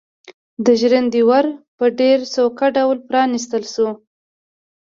د ژرندې ور په ډېر سوکه ډول پرانيستل شو.